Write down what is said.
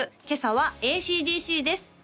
今朝はＡＣ／ＤＣです